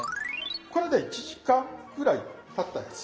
これで１時間ぐらいたったやつ。